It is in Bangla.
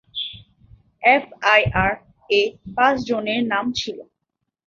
এফআইআর-এ পাঁচ জনের নাম ছিল।